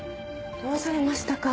どうされましたか？